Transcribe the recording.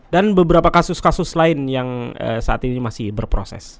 beberapa kasus kasus lain yang saat ini masih berproses